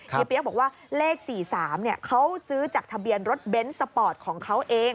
เปี๊ยกบอกว่าเลข๔๓เขาซื้อจากทะเบียนรถเบนท์สปอร์ตของเขาเอง